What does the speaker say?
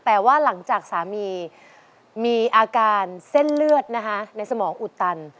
แต่ว่าหลังจากสามีมีอาการเส้นเลือดนะคะในสมองอุดตัน